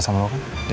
udah ngurusan lu kan